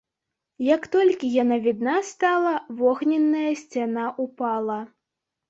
Як толькі яна відна стала, вогненная сцяна ўпала.